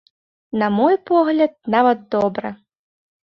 На мой погляд, нават добра.